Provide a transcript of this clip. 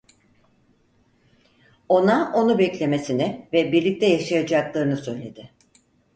Ona onu beklemesini ve birlikte yaşayacaklarını söyledi.